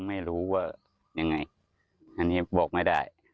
ไม่รู้ว่ายังไงอันนี้บอกไม่ได้